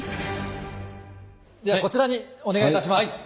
ではこちらにお願いいたします。